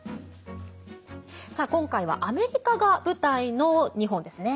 今回はアメリカが舞台の２本ですね。